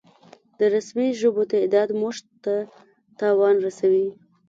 د رسمي ژبو تعداد مونږ ته تاوان رسوي